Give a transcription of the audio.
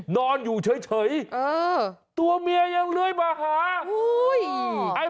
นอนอยู่เฉยตัวเมียยังเลื้อยมาหา